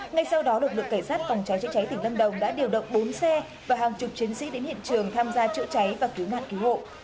ngay sau đó lực lượng cảnh sát phòng cháy chữa cháy tỉnh lâm đồng đã điều động bốn xe và hàng chục chiến sĩ đến hiện trường tham gia chữa cháy và cứu nạn cứu hộ